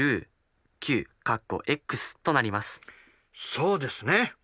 そうですね。